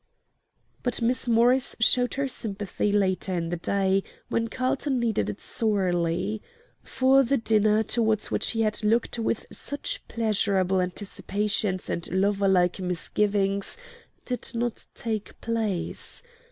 But Miss Morris showed her sympathy later in the day, when Carlton needed it sorely; for the dinner towards which he had looked with such pleasurable anticipations and lover like misgivings did not take place.